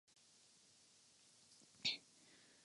その中で、私が特に注目したのは、統合失調症についての詳細な解説でした。